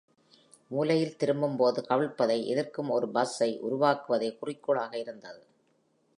மூலையில் திரும்பும்போது கவிழ்ப்பதை எதிர்க்கும் ஒரு பஸ்ஸை உருவாக்குவதே குறிக்கோளாக இருந்தது.